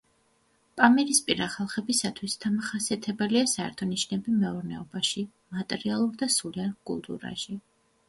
პამირისპირა ხალხებისთვის დამახასიათებელია საერთო ნიშნები მეურნეობაში, მატერიალურ და სულიერ კულტურაში.